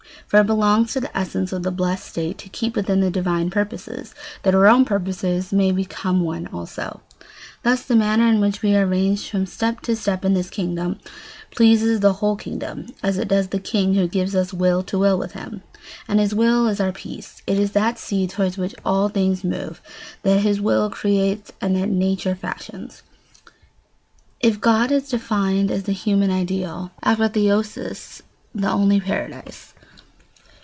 For it belongs to the essence of that blessed state to keep within the divine purposes, that our own purposes may become one also. Thus, the manner in which we are ranged from step to step in this kingdom pleases the whole kingdom, as it does the king who gives us will to will with him. And his will is our peace; it is that sea toward which all things move that his will creates and that nature fashions."[C] [Sidenote: If God is defined as the human ideal, apotheosis the only paradise.